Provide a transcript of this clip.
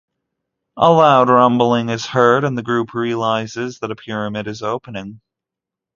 A loud rumbling is heard, and the group realizes that a pyramid is opening.